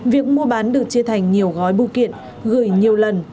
việc mua bán được chia thành nhiều gói bưu kiện gửi nhiều lần